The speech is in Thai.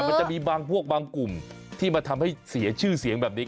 มันจะมีบางพวกบางกลุ่มที่มาทำให้เสียชื่อเสียงแบบนี้